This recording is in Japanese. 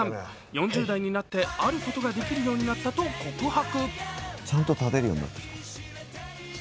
４０代になってあることができるようになったと告白。